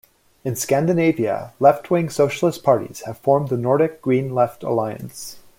In Scandinavia, left-wing socialist parties have formed the Nordic Green Left Alliance.